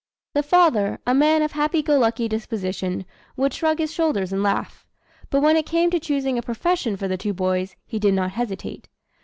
'" The father, a man of happy go lucky disposition, would shrug his shoulders and laugh. But when it came to choosing a profession for the two boys, he did not hesitate.